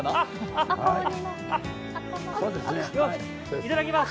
いただきます。